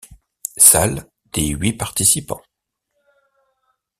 Salles des huit participants.